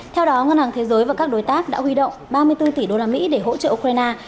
theo đó ngân hàng thế giới và các đối tác đã huy động ba mươi bốn tỷ usd để hỗ trợ ukraine